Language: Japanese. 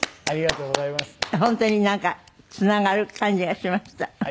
ありがとうございます。